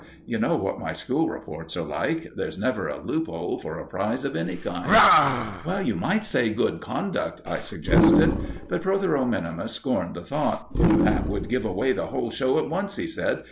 You know what my school reports are like. There's never a loophole for a prize of any kind." "You might say good conduct," I suggested; but Protheroe min. scorned the thought. "That would give away the whole show at once," he said.